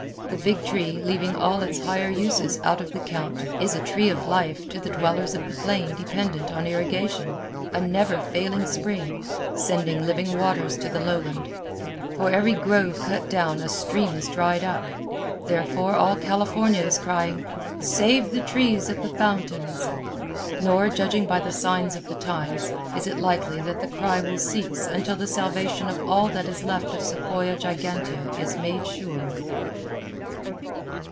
The big tree, leaving all its higher uses out of the count, is a tree of life to the dwellers of the plain dependent on irrigation, a never failing spring, sending living waters to the lowland. For every grove cut down a stream is dried up. Therefore all California is crying, "Save the trees of the fountains." Nor, judging by the signs of the times, is it likely that the cry will cease until the salvation of all that is left of Sequoia gigantea is made sure.